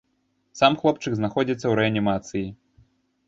Сам хлопчык знаходзіцца ў рэанімацыі.